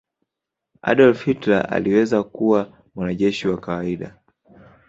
adolf hilter aliweza kuwa mwanajeshi wa kawaida